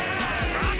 待て！